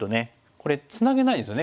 これツナげないんですよね。